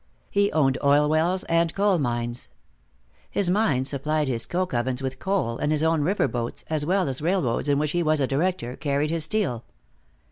He owned oil wells and coal mines. His mines supplied his coke ovens with coal, and his own river boats, as well as railroads in which he was a director, carried his steel.